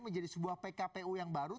menjadi sebuah pkpu yang baru